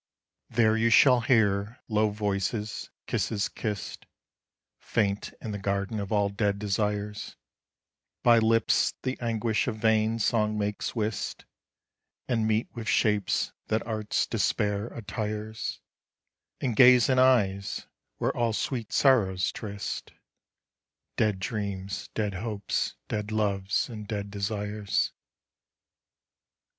There you shall hear low voices; kisses kissed, Faint in the Garden of all Dead Desires, By lips the anguish of vain song makes whist; And meet with shapes that art's despair attires; And gaze in eyes where all sweet sorrows tryst Dead dreams, dead hopes, dead loves, and dead desires.